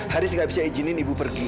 haris nggak bisa izinin ibu pergi